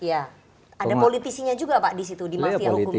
ya ada politisinya juga pak di situ di mafia hukumnya